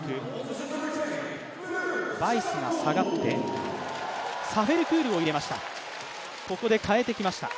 バイスが下がって、サフェルクールが入ってきました。